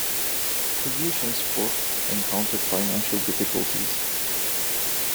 Khayishan's court encountered financial difficulties.